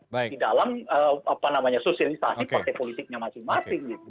di dalam apa namanya sosialisasi partai politiknya masing masing